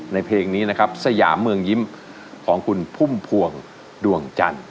เพลงนี้นะครับสยามเมืองยิ้มของคุณพุ่มพวงดวงจันทร์